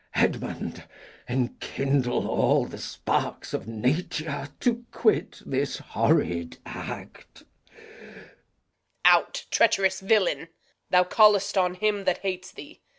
Edmund, enkindle all the sparks of nature To quit this horrid act. Reg. Out, treacherous villain! Thou call'st on him that hates thee.